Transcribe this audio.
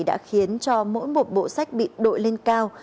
đã khiến cho mỗi một bộ sách bị đội lên cao